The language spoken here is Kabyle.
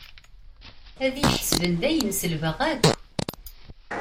Ad iyi-ḥesben dayen selbeɣ akk.